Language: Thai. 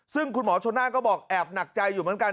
ซึ่งคุณหมอชนน่านก็บอกแอบหนักใจอยู่เหมือนกัน